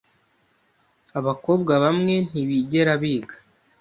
Abakobwa bamwe ntibigera biga.